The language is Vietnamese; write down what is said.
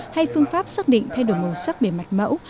hay phương pháp xác định thay đổi màu sắc bề mặt mẫu